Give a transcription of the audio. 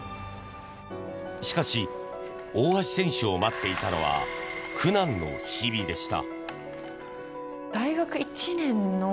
しかし大橋選手を待っていたのは苦難の日々でした。